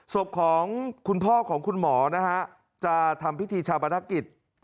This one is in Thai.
ศพของคุณพ่อของคุณหมอนะฮะจะทำพิธีชาปนกิจ